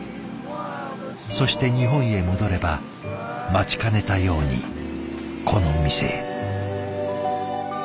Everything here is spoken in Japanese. そして日本へ戻れば待ちかねたようにこの店へ。